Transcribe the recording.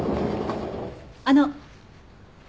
あの。